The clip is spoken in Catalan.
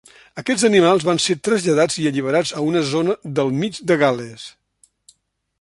Aquests animals van ser traslladats i alliberats a una zona del mig de Gal·les.